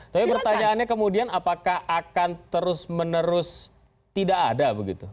tapi pertanyaannya kemudian apakah akan terus menerus tidak ada begitu